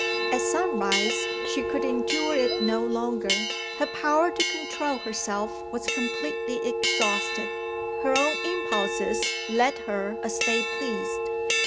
At sunrise she could endure it no longer. Her power to control herself was completely exhausted; her own impulses led her as they pleased.